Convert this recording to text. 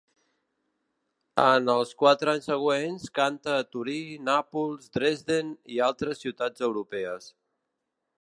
En els quatre anys següents canta a Torí, Nàpols, Dresden i altres ciutats europees.